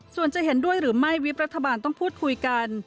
ส่วนจะเห็นด้วยหรือไม่วิบรัฐบาลต้องพูดคุยกัน